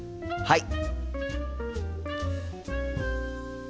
はい！